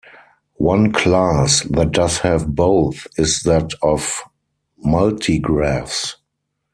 One class that does have both is that of multigraphs.